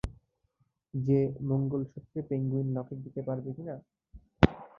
যে, মঙ্গলসূত্রে পেঙ্গুইন লকেট দিতে পারবে কিনা?